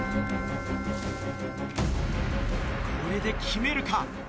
これで決めるか？